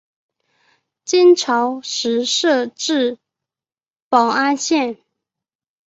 金朝时设置保安县。